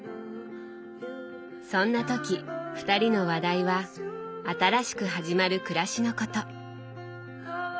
そんな時二人の話題は新しく始まる暮らしのこと。